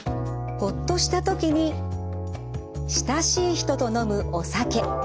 ほっとした時に親しい人と飲むお酒。